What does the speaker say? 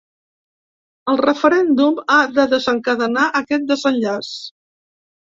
El referèndum ha de desencadenar aquest desenllaç.